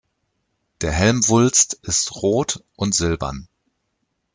Der Helmwulst ist rot und silbern.